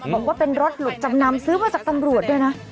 บอกว่าเป็นรถหลุดจำนำซื้อมาจากตำรวจด้วยนะ